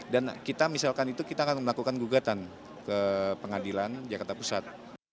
dan kita misalkan itu kita akan melakukan gugatan ke pengadilan jakarta pusat